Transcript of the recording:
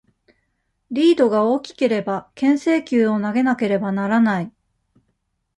リードが大きければ、牽制球を投げなければならない。